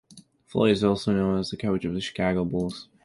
Floyd is also known as the coach of the Chicago Bulls.